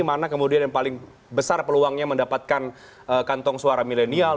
mana kemudian yang paling besar peluangnya mendapatkan kantong suara milenial